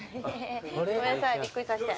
ごめんなさいびっくりさして。